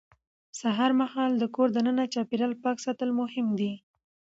سهار مهال د کور دننه چاپېریال پاک ساتل مهم دي